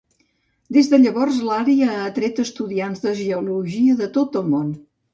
Des de llavors, l'àrea ha atret estudiants de geologia de tot el món.